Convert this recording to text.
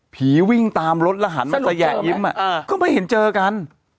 ผีวิ่งตามรถแล้วหันมันสะแหยะอิ๊มอ่ะก็ไม่เห็นเจอกัน